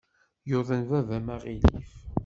Yuḍen baba-m aɣilif.